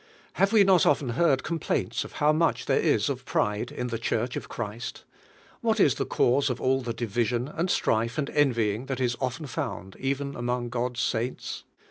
Have we not often heard complaints of how much there is of pride in the Church of Christ? What is the cause of all the division, and strife, and envying, that is often found even among God's saints?